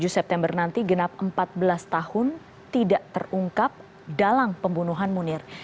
tujuh september nanti genap empat belas tahun tidak terungkap dalam pembunuhan munir